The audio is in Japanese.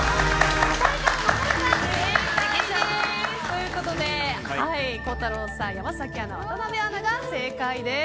ということで、孝太郎さん山崎アナ、渡辺アナが正解です。